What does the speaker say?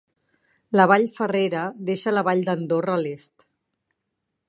La vall Ferrera deixa la vall d'Andorra a l'est.